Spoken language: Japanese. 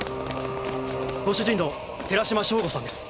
ご主人の寺島省吾さんです。